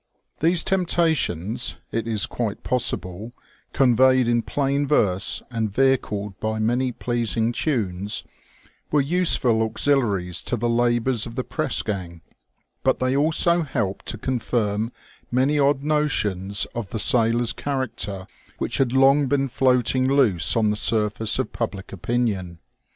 These temptations, it is quite possible, con veyed in plain verse and vehicled by many pleasing tunes, were useful auxiliaries to the labours of the press gang; but they also helped to confirm many odd notions of the sailor's character which had long been floating loose on the surface of public opinion.